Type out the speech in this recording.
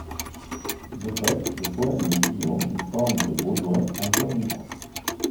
De fait le poème de Guillaume nous parle de Baudouin encore vivant.